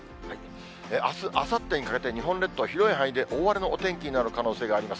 あす、あさってにかけて、日本列島は広い範囲にかけて、大荒れのお天気になる可能性があります。